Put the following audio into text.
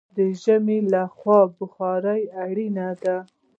د ژمي له خوا بخارۍ اړینه وي.